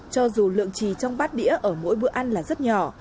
cho dù lượng trì trong bát đĩa ở mỗi bữa ăn là rất nhỏ